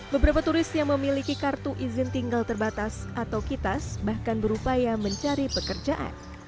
beberapa turis yang memiliki kartu izin tinggal terbatas atau kitas bahkan berupaya mencari pekerjaan